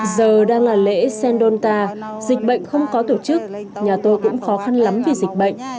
giờ đang là lễ xen donta dịch bệnh không có tổ chức nhà tôi cũng khó khăn lắm vì dịch bệnh